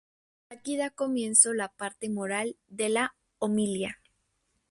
Aquí da comienzo la parte moral de la homilía.